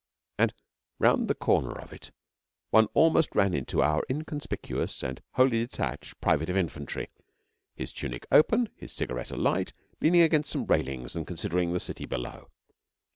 And round the corner of it, one almost ran into Our inconspicuous and wholly detached Private of Infantry, his tunic open, his cigarette alight, leaning against some railings and considering the city below.